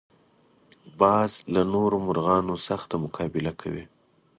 باز له نورو مرغانو سخته مقابله کوي